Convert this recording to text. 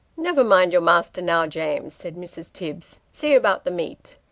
" Never mind your master now, James," said Mrs. Tibbs, " see about the meat."